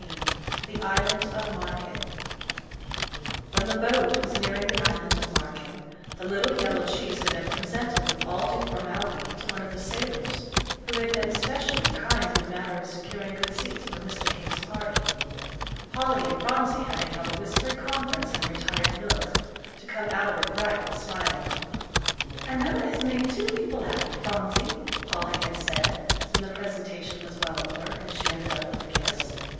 XIV THE ISLAND OF MARKEN When the boat was nearing the island of Marken, the little yellow cheese had been presented with all due formality to one of the sailors who had been specially kind in the matter of securing good seats for Mr. King's party, Polly and Phronsie having held a whispered conference in a retired nook, to come out of it bright and smiling. "And now it has made two people happy, Phronsie," Polly had said, when the presentation was well over, and she ended up with a kiss.